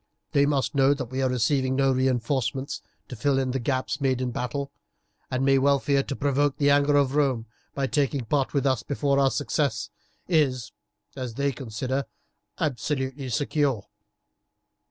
They must know that we are receiving no reinforcements to fill the gaps made in battle, and may well fear to provoke the anger of Rome by taking part with us before our success is, as they consider, absolutely secure."